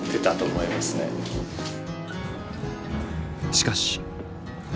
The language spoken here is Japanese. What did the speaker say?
しかし。